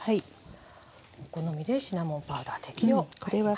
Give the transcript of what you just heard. お好みでシナモンパウダー適量入りました。